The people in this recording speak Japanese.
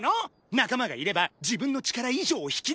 仲間がいれば自分の力以上を引き出してくれるし。